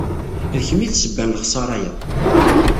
D kemm i d ssebba n lexsara-ya.